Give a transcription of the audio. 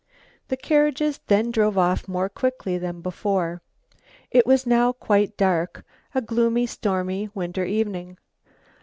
The carriages then drove off more quickly than before. It was now quite dark, a gloomy stormy winter evening.